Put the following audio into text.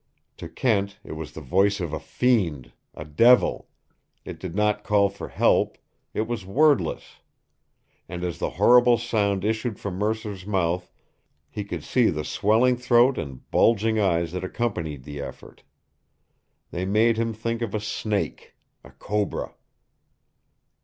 To Kent it was the voice of a fiend, a devil. It did not call for help. It was wordless. And as the horrible sound issued from Mercer's mouth he could see the swelling throat and bulging eyes that accompanied the effort. They made him think of a snake, a cobra.